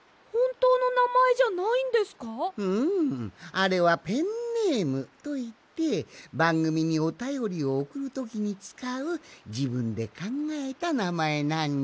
あれはペンネームといってばんぐみにおたよりをおくるときにつかうじぶんでかんがえたなまえなんじゃ。